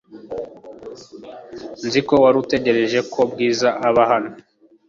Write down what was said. Nzi ko wari utegereje ko Bwiza aba hano .